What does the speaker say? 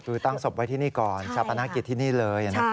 คือตั้งศพไว้ที่นี่ก่อนชาปนกิจที่นี่เลย